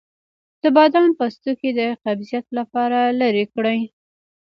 د بادام پوستکی د قبضیت لپاره لرې کړئ